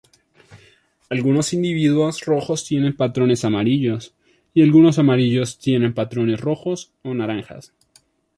Algunos individuos rojos tienen patrones amarillos, y algunos amarillos tienen patrones rojos o naranjas.